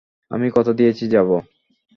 আমি কথা দিয়েছি, যাব।